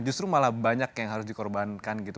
justru malah banyak yang harus dikorbankan gitu